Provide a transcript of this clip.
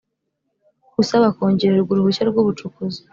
Usaba kongererwa uruhushya rw ubucukuzi